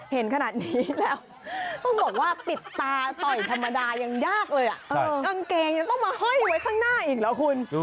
เห็นขนาดนี้แล้วต้องบอกว่าปิดตาต่อยธรรมดายังยากเลยกางเกงยังต้องมาห้อยไว้ข้างหน้าอีกเหรอคุณ